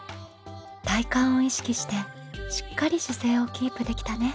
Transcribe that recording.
体幹を意識してしっかり姿勢をキープできたね。